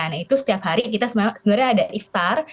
nah itu setiap hari kita sebenarnya ada iftar